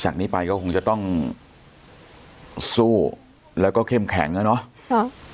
จากนี้ไปเขาคงจะต้องสู้แล้วก็เข้มแข็งนะเนอะครับ